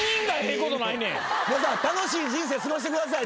皆さん楽しい人生過ごしてください。